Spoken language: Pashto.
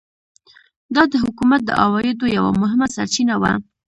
دا د حکومت د عوایدو یوه مهمه سرچینه وه.